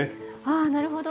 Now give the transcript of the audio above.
あなるほど。